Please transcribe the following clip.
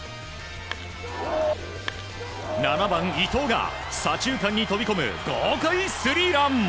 ７番、伊藤が左中間に飛び込む豪快スリーラン。